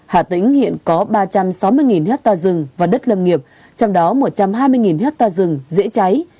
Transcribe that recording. hạ tỉnh hiện có ba trăm sáu mươi hectare rừng và đất lâm nghiệp trong đó một trăm hai mươi hectare rừng dễ cháy